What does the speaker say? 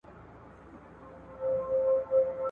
چي عزت ساتلای نه سي د بګړیو `